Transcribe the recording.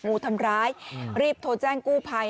งูทำร้ายรีบโทรแจ้งกู้ภัย